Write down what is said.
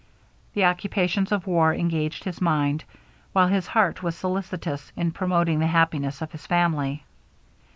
The occupations of war engaged his mind, while his heart was solicitous in promoting the happiness of his family.